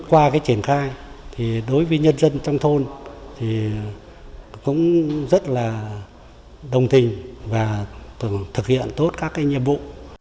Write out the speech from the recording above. qua triển khai thì đối với nhân dân trong thôn thì cũng rất là đồng tình và thực hiện tốt các nhiệm vụ